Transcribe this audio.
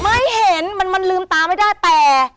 ไม่เห็นมันลืมตาไม่ได้แต่